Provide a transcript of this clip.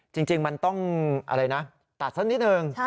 จริงมันต้องอะไรนะตัดสักนิดนึง